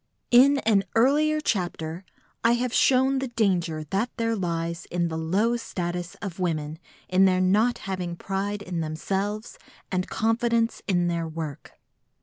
In an earlier chapter I have shown the danger that there lies in the low status of women in their not having pride in themselves and confidence in their work.